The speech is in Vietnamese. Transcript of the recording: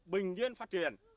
bình yên phát triển